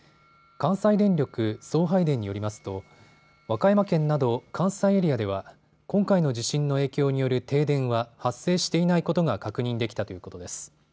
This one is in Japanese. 関西電力送配電によりますと和歌山県など関西エリアでは今回の地震の影響による停電は発生していないことが確認できたということです。